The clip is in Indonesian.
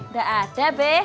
gak ada be